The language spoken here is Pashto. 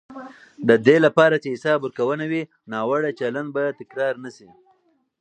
د دې لپاره چې حساب ورکونه وي، ناوړه چلند به تکرار نه شي.